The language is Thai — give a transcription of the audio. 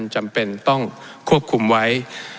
จำเป็นต้องควบคุมไว้